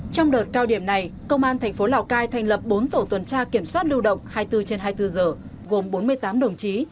trong đợt cao điểm này công an thành phố lào cai thành lập bốn tổ tuần tra kiểm soát lưu động hai mươi bốn trên hai mươi bốn giờ gồm bốn mươi tám đồng chí